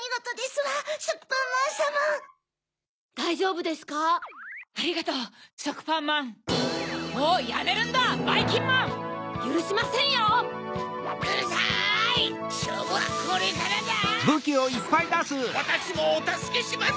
わたしもおたすけします！